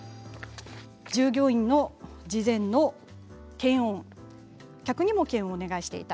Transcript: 従業員の事前の検温客にも検温をお願いしていた。